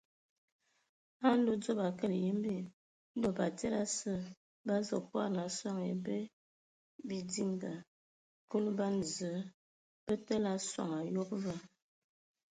A nlodzobo a kələg yimbi, Ndɔ batsidi asǝ a azu kɔdan sɔŋ ebɛ bidinga; Kulu ban Zǝə bə təlǝ a soŋ ayob va.